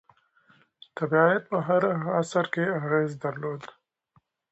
طبیعت په هر عصر کې اغېز درلود.